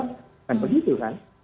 bukan begitu kan